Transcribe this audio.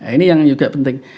ini yang juga penting